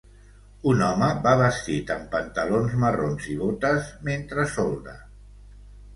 Un home va vestit amb pantalons marrons i botes mentre solda.